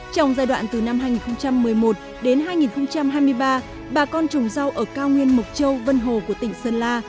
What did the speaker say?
trong giai đoạn từ năm hai nghìn một mươi một đến hai nghìn hai mươi ba bà con trồng rau ở cao nguyên mộc châu vân hồ của tỉnh sơn la